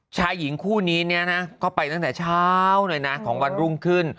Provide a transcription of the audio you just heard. ชายหญิงคู่นี้เนี่ยนะก็ไปตั้งแต่เช้าเลยนะของวันรุ่งขึ้น